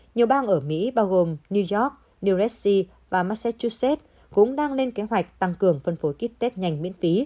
nhiều bang ở mỹ bao gồm new york new jersey và massachusetts cũng đang lên kế hoạch tăng cường phân phối ký test nhanh miễn phí